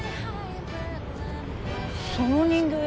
その人形焼。